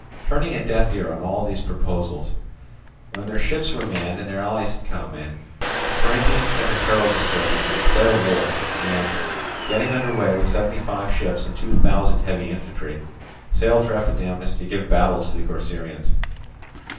Turning a deaf ear to all these proposals, when their ships were manned and their allies had come in, the Corinthians sent a herald before them to declare war and, getting under way with seventy five ships and two thousand heavy infantry, sailed for Epidamnus to give battle to the Corcyraeans.